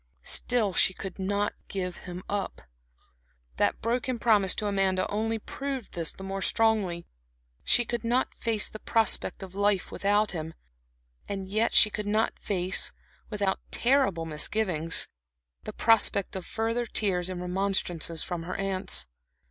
Still she could not give him up. That broken promise to Amanda only proved this the more strongly. She could not face the prospect of life without him. And yet she could not face without terrible misgivings the prospect of further tears and remonstrances from her aunts.